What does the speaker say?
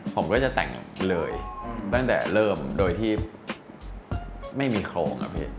ผมก็จะแต่งเลยตั้งแต่เริ่มโดยที่ไม่มีโครงครับพี่